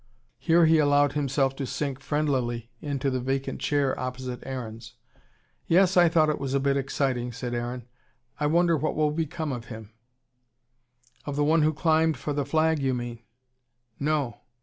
He here allowed himself to sink friendlily into the vacant chair opposite Aaron's. "Yes, I thought it was a bit exciting," said Aaron. "I wonder what will become of him "" Of the one who climbed for the flag, you mean? No!